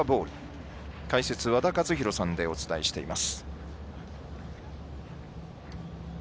解説は和田一浩さんでお伝えしています。